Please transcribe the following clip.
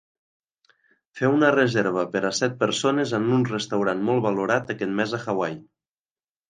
Fer una reserva per a set persones en un restaurant molt valorat aquest mes a Hawaii